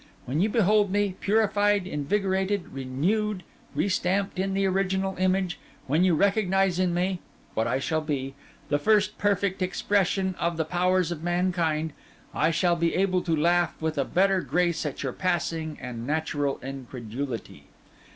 When you behold me purified, invigorated, renewed, restamped in the original image—when you recognise in me (what I shall be) the first perfect expression of the powers of mankind—I shall be able to laugh with a better grace at your passing and natural incredulity.